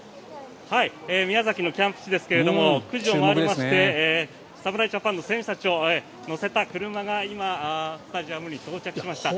宮崎のキャンプ地ですけれども９時を回りまして侍ジャパンの選手たちを乗せた車が今スタジアムに到着しました。